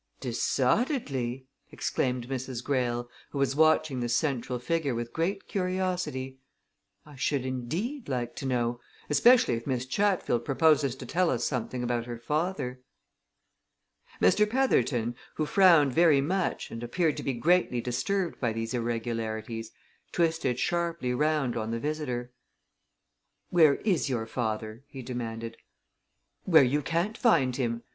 "Decidedly!" exclaimed Mrs. Greyle, who was watching the central figure with great curiosity. "I should indeed, like to know especially if Miss Chatfield proposes to tell us something about her father." Mr. Petherton, who frowned very much and appeared to be greatly disturbed by these irregularities, twisted sharply round on the visitor. "Where is your father?" he demanded. "Where you can't find him!"